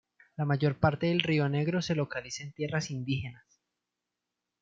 La mayor parte del río Negro se localiza en tierras indígenas.